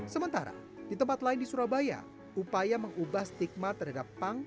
sementara di tempat lain di surabaya upaya mengubah stigma terhadap punk